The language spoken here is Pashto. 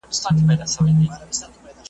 پخوا تعلیم محدود و.